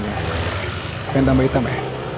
pengen tambah hitam ya